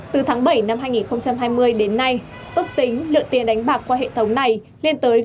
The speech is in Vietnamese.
từ tháng bảy năm hai nghìn hai mươi đến nay ước tính lượng tiền đánh bạc qua hệ thống này lên tới gần một mươi bốn tỷ đồng